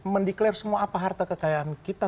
mendeklarasi semua apa harta kekayaan kita